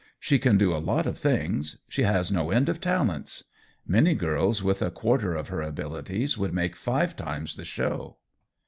She can do a lot of things ; she has no end of talents. Many girls with a quar ter of her abilities would make five times the show."